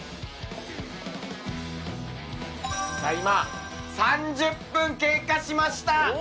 今３０分経過しました。